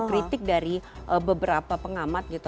kritik dari beberapa pengamat gitu